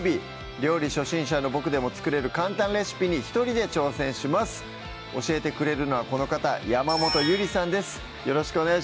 料理初心者のボクでも作れる簡単レシピに一人で挑戦します教えてくれるのはこの方山本ゆりさんです